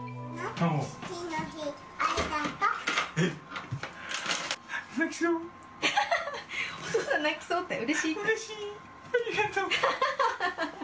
ありがとう。